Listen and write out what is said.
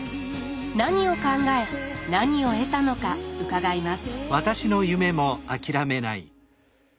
何を考え何を得たのか伺います。